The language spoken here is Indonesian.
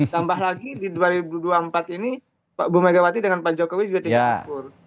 tambah lagi di dua ribu dua puluh empat ini bu megawati dengan pak jokowi juga tingkat syukur